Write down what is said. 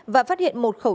và phát hiện một khẩu súng